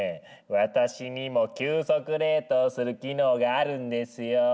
私にも急速冷凍する機能があるんですよ！